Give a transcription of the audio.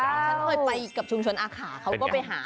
เจ้าเสินมาไปกับชุมชนอาค่าก็ไปหา